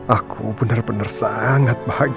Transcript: aku bener bener sangat bahagia